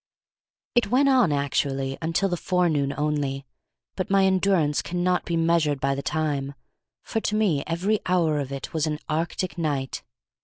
It went on actually until the forenoon only, but my endurance cannot be measured by the time, for to me every hour of it was an arctic night.